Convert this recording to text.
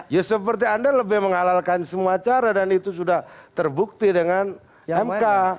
ya seperti anda lebih menghalalkan semua cara dan itu sudah terbukti dengan mk